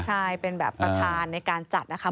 ใช่เป็นแบบประธานในการจัดนะคะ